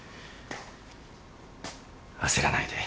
焦らないで。